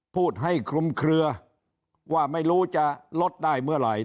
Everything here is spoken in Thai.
พูดให้คลุมเคลือว่าไม่รู้จะลดได้เมื่อไหร่